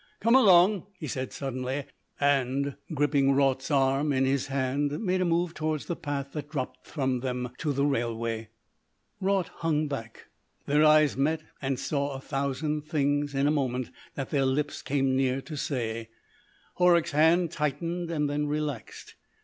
"Come along," he said suddenly, and, gripping Raut's arm in his hand, made a move towards the path that dropped from them to the railway. Raut hung back. Their eyes met and saw a thousand things in a moment that their lips came near to say. Horrocks's hand tightened and then relaxed.